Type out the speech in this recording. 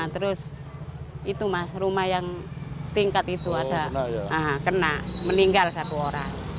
terus itu mas rumah yang tingkat itu ada kena meninggal satu orang